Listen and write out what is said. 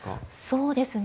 そうですね。